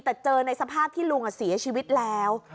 แต่เจอในสภาพที่ลุงเสียชีวิตแล้ว